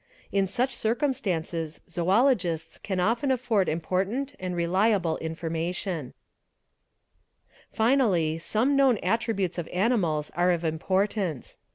In such circumstances zoologists car often afford important and reliable information "°—®,| Finally some known attributes of animals are of importance.